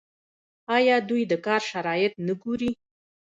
آیا دوی د کار شرایط نه ګوري؟